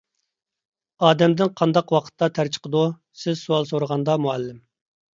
_ ئادەمدىن قانداق ۋاقىتتا تەر چىقىدۇ؟ _ سىز سوئال سورىغاندا، مۇئەللىم.